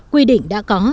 quy định đã có